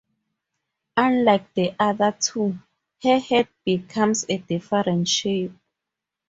Unlike the other two, her hat becomes a different shape.